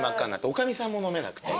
おかみさんも飲めなくて。